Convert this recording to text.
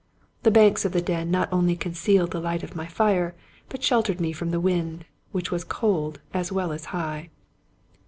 The banks of the den not only concealed the light of my fire, but sheltered me from the wind, which was cold as well as high.